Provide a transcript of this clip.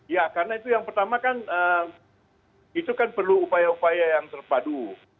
ya karena itu yang pertama kan itu kan perlu upaya upaya yang terpadu